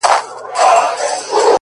• چي پر سر د دې غريب دئ كښېنستلى,